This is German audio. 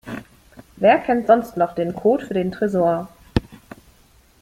Wer kennt sonst noch den Code für den Tresor?